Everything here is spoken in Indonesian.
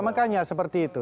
makanya seperti itu